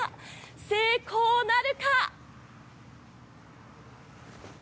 成功なるか？